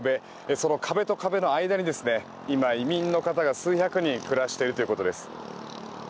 その壁と壁の間に移民の方が数百人暮らしているということです。